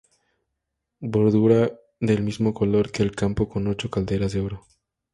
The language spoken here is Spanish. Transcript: Bordura del mismo color que el campo con ocho calderas, de oro.